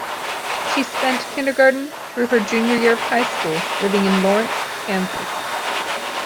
She spent kindergarten through her junior year of high school living in Lawrence, Kansas.